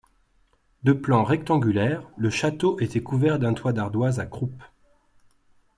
De plan rectangulaire le château était couvert d'un toit d'ardoises à croupes.